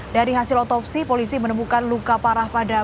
dari hasil otopsi polisi menemukan luka parah pada